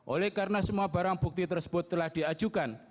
oleh karena semua barang bukti tersebut telah diajukan